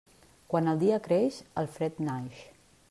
Quan el dia creix, el fred naix.